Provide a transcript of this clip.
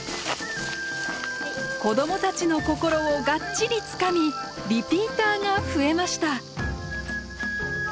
子どもたちの心をがっちりつかみリピーターが増えました。